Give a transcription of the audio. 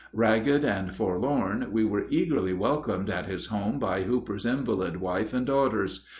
Ragged and forlorn, we were eagerly welcomed at his home by Hooper's invalid wife and daughters.